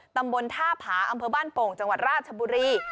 ตำบลท่าผาอำเภอบ้านโป่งจังหวัดราชบุรี